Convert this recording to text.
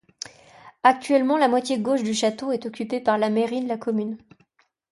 Actuellement la moitié gauche du château est occupée par la mairie de la commune.